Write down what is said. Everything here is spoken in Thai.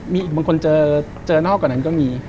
มีบางคนเจอเจอนอกกว่านั้นก็มี